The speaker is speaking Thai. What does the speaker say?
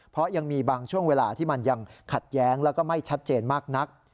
เพราะยังมีบางช่วงเวลาที่มันยังขัดแย้งแล้วก็ไม่ชัดเจนมากนัก